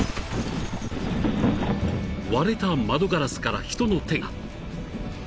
［割れた窓ガラスから人の手が］